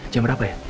jam berapa ya